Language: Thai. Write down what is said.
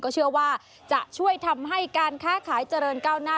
เชื่อว่าจะช่วยทำให้การค้าขายเจริญก้าวหน้า